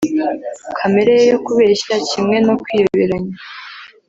kamere ye yo kubeshya kimwe no kwiyoberanya